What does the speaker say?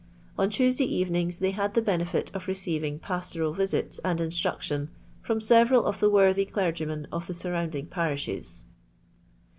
On Tuesday evenings they had the benefit of receiving pastoral visits and instruction from several of tho worthy clergymen of the surrounding parishes."